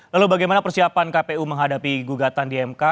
lalu bagaimana persiapan kpu menghadapi gugatan di mk